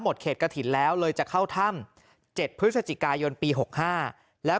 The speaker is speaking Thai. หมดเขตกระถิดแล้วเลยจะเข้าถ้ำเจ็ดพฤศจิกายนปีหกห้าแล้ว